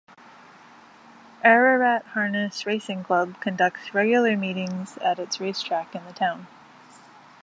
Ararat Harness Racing Club conducts regular meetings at its racetrack in the town.